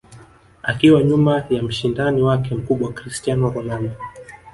akiwa nyuma ya mshindani wake mkubwa Cristiano Ronaldo